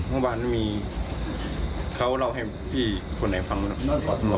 เมื่อก่อนมีถ้าเขาเล่าให้พี่คนไหนฟังต่อไป